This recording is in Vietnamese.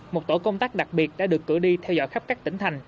một tổ công tác đặc biệt đã được cử đi theo dõi khắp các tỉnh thành